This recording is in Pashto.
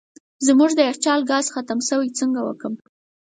زموږ د یخچال ګاز ختم سوی څنګه وکم